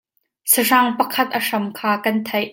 Sahrang pakhat a hram kha kan theih.